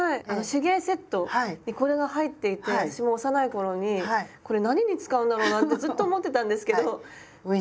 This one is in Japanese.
あの手芸セットにこれが入っていて私も幼い頃に「これ何に使うんだろうな」ってずっと思ってたんですけど。